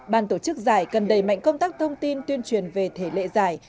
ban tổ chức giải cần đầy mạnh công tác thông tin tuyên truyền về thể lệ giải